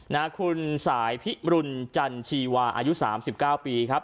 นะคุณสายพิมรุณจันชีวาอายุ๓๙ปีครับ